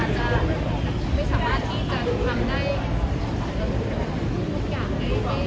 จะไม่สามารถที่จะทำได้ทุกอย่าง